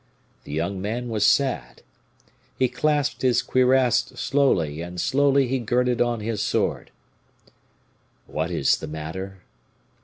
The young man was sad; he clasped his cuirass slowly, and slowly he girded on his sword. "What is the matter?"